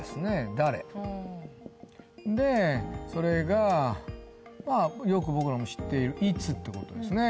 「誰」でそれがまあよく僕らも知っている「いつ」ってことですね